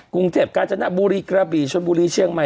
กรุงเทพฯเหลืองปะ